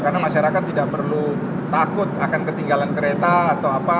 karena masyarakat tidak perlu takut akan ketinggalan kereta atau apa